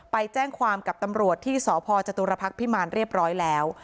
ไปแจ้งความกับตำรวจที่สพจตุรพักษ์พิมารเรียบร้อยแล้ว